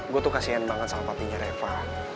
gue tuh kasian banget sama papinya reva